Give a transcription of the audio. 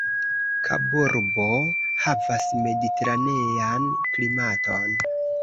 Kaburbo havas mediteranean klimaton.